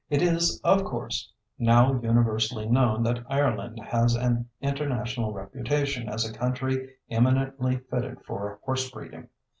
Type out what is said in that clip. It is, of course, now universally known that Ireland has an international reputation as a country eminently fitted for horse breeding.